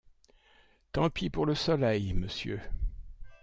Tant pis pour le soleil, monsieur !